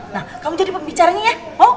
nah kamu jadi pembicaranya ya oh